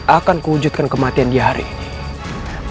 akan kujudkan kematian dia hari ini